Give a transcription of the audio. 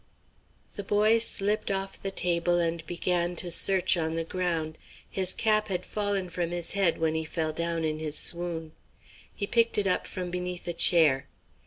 The boy slipped off the table and began to search on the ground. His cap had fallen from his hand when he fell down in his swoon. He picked it up from beneath a chair.